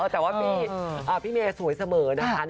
แต่ว่าพี่เมย์สวยเสมอนะคะ